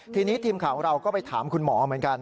ทีนี้ทีมข่าวของเราก็ไปถามคุณหมอเหมือนกัน